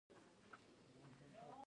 جاوېد اختر يو عام ملحد نۀ دے